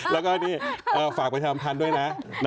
แล้วก็นี่ฝากประชาสัมพันธ์ด้วยนะ